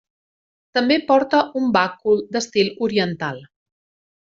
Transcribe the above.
També porta un bàcul d'estil oriental.